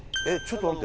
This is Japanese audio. えっ？